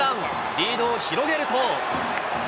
リードを広げると。